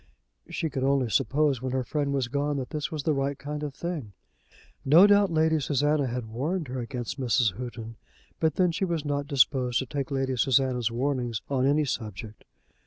She could only suppose, when her friend was gone, that this was the right kind of thing. No doubt Lady Susanna had warned her against Mrs. Houghton, but then she was not disposed to take Lady Susanna's warnings on any subject.